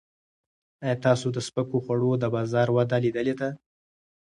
ایا تاسو د سپکو خوړو د بازار وده لیدلې ده؟